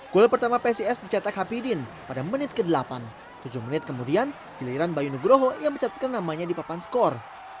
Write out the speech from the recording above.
gol pertama psis dicetak hapidin pada menit ke delapan tujuh menit kemudian giliran bayu nugroho yang mencatatkan namanya di papan skor